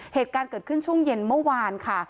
เหตุการณ์เกิดขึ้นช่วงเย็นเมื่อวานค่ะ